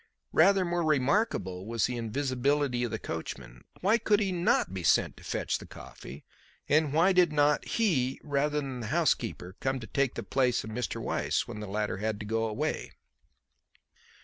Rather more remarkable was the invisibility of the coachman. Why could he not be sent to fetch the coffee, and why did not he, rather than the housekeeper, come to take the place of Mr. Weiss when the latter had to go away.